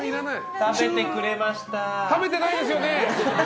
食べてないですよね？